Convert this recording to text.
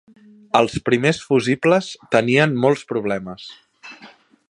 Els primers fusibles tenien molts problemes.